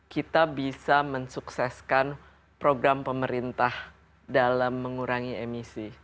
kita bisa mensukseskan program pemerintah dalam mengurangi emisi